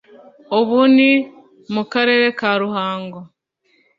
ubu ni mu Karere ka Ruhango